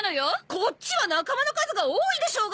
こっちは仲間の数が多いでしょうが！